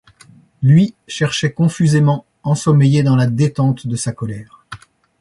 Lui, cherchait confusément, ensommeillé dans la détente de sa colère.